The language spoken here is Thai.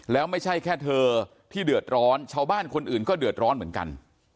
แล้วไม่ใช่แค่เธอที่เดือดร้อนชาวบ้านคนอื่นก็เดือดร้อนเหมือนกัน